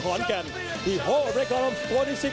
สร้างการที่กระทะนัก